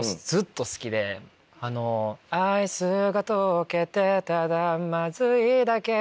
アイスが溶けてただまずいだけ